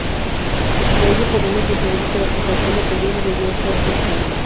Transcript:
De ello, podemos inferir que la sensación de peligro debió de ser constante.